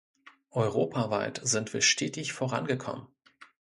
Europaweit sind wir stetig vorangekommen.